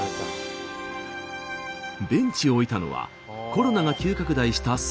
ベンチを置いたのはコロナが急拡大した３年前。